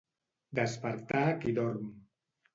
Despertar a qui dorm.